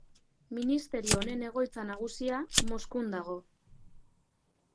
Ministerio honen egoitza nagusia, Moskun dago.